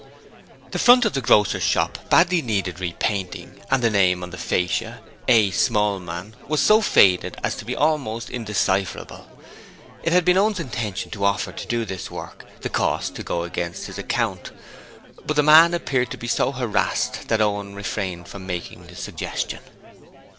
The front of the grocer's shop badly needed repainting, and the name on the fascia, 'A. Smallman', was so faded as to be almost indecipherable. It had been Owen's intention to offer to do this work the cost to go against his account but the man appeared to be so harassed that Owen refrained from making the suggestion.